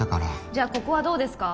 じゃあここはどうですか？